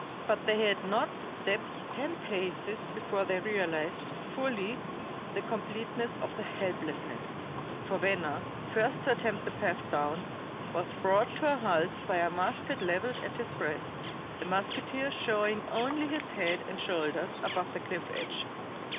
But they had not stepped ten paces before they realized fully the completeness of their helplessness, for Venner, first to attempt the path down, was brought to a halt by a musket leveled at his breast, the musketeer showing only his head and shoulders above the cliff edge.